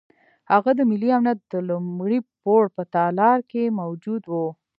هغه د ملي امنیت د لومړي پوړ په تالار کې موجود وو.